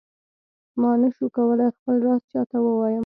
ما نه شو کولای خپل راز چاته ووایم.